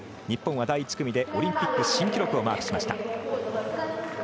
日本は第１組でオリンピック新記録をマークしました。